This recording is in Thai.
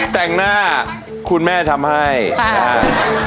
แต่งหน้าคุณแม่ทำให้นะครับ